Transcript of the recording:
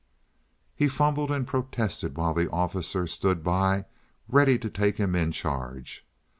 He fumbled and protested while the officer stood by read to take him in charge.